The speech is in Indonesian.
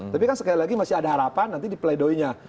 tapi kan sekali lagi masih ada harapan nanti dipledoinya